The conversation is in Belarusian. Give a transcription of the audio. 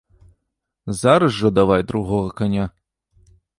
Зараз жа давай другога каня!